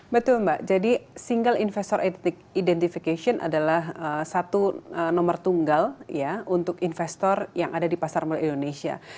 betul mbak jadi single investor identification adalah satu nomor tunggal ya untuk investor yang ada di pasar modal indonesia